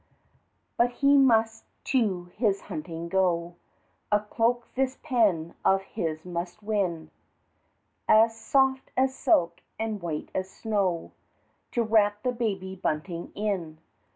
But he must to his hunting go, A cloak this pen of his must win As soft as silk and white as snow, To wrap the Baby Bunting in.